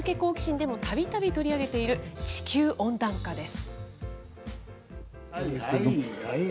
でもたびたび取り上げている地球温暖化です。